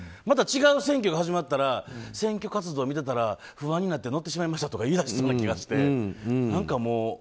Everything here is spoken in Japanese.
また違う選挙が始まったら選挙活動を見てたら不安になって乗ってしまいましたと言い出しそうな気がして。